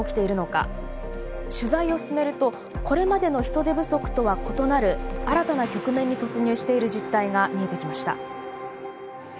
取材を進めるとこれまでの人手不足とは異なる新たな局面に突入している実態が見えてきました。